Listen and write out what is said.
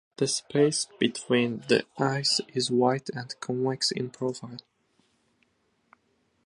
The space between the eyes is wide and convex in profile.